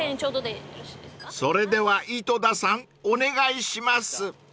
［それでは井戸田さんお願いします］